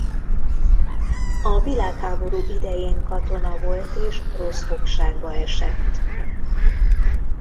A világháború idején katona volt és orosz fogságba esett.